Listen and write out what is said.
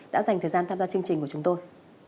đã dành thời gian tham gia chương trình của chúng tôi